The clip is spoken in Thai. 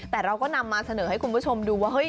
แต่เราก็นำมาเสนอให้คุณผู้ชมดูว่าเฮ้ย